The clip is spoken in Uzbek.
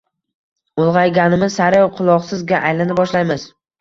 Ulg‘ayganimiz sari “quloqsiz”ga aylana boshlaymiz.